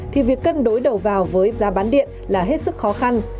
thì việc cân đối đầu vào với giá bán điện là hết sức khó khăn